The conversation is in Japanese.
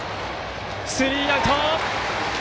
スリーアウト！